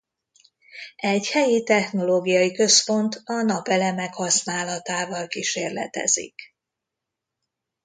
Egy helyi technológiai központ a napelemek használatával kísérletezik.